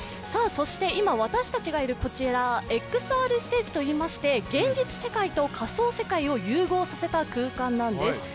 今、私たちがいるこちらはＸＲステージといいまして現実世界と仮想世界を融合させた空間なんです。